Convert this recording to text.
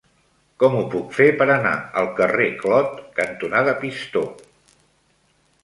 Com ho puc fer per anar al carrer Clot cantonada Pistó?